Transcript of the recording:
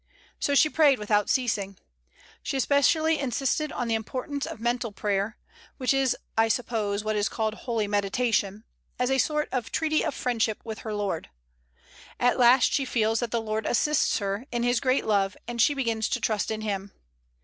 So she prayed without ceasing. She especially insisted on the importance of mental prayer (which is, I suppose, what is called holy meditation) as a sort of treaty of friendship with her Lord. At last she feels that the Lord assists her, in His great love, and she begins to trust in Him.